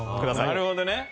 なるほどね。